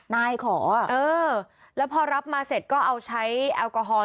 นายขอเออแล้วพอรับมาเสร็จก็เอาใช้แอลกอฮอล